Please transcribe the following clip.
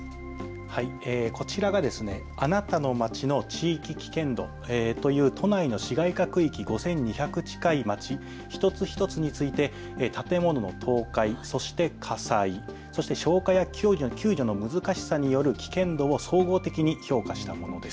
こちらがあなたのまちの地域危険度という都内の市街化区域５２００近い町一つ一つについて建物の倒壊、そして火災、そして消火や救助の難しさによる危険度を総合的に評価したものです。